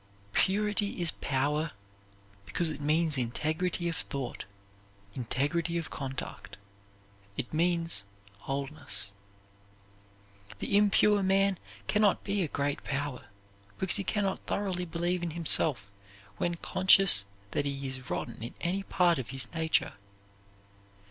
Purity is power because it means integrity of thought, integrity of conduct. It means wholeness. The impure man can not be a great power, because he can not thoroughly believe in himself when conscious that he is rotten in any part of his nature.